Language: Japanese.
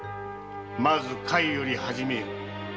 まず隗より始めよ。